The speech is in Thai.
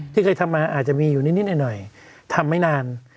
ที่เคยทำมาอาจจะมีอยู่นิดหน่อยทำไม่นาน